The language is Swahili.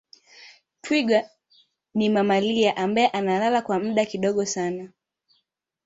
twiga ni mamalia ambaye analala kwa muda kidogo sana